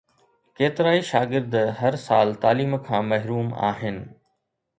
ڪيترائي شاگرد هر سال تعليم کان محروم آهن